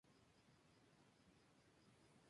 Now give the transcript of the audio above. Esto debido a la sobreproducción de cemento en Bolivia.